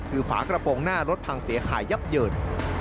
คือฝากระโปรงหน้ารถพังเสียหายยับเยิน